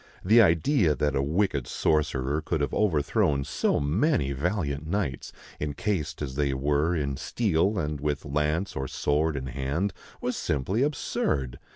The idea that a wicked sorcerer could have overthrown so many valiant knights, encased as they were in steel and with lance or sword in hand, was simply absurd.